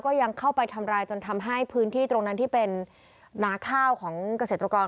ยังเข้าไปทำร้ายจนทำให้พื้นที่ตรงนั้นที่เป็นนาข้าวของเกษตรกร